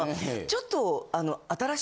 ちょっと。